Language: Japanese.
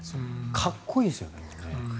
かっこいいですよね。